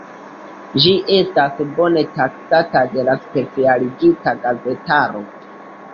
Ĝi estas bone taksata de la specialigita gazetaro.